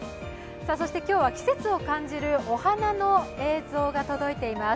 今日は季節を感じるお花の映像が届いています。